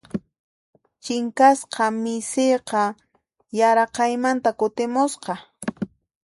Chinkasqa michiyqa yaraqaymanta kutimusqa.